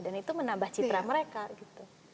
dan itu menambah citra mereka gitu